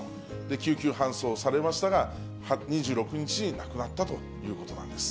救急搬送されましたが、２６日に亡くなったということなんです。